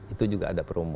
itu juga ada promo